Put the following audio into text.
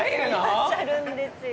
いらっしゃるんですよ。